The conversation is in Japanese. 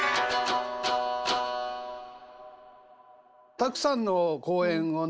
たくさんの公演をね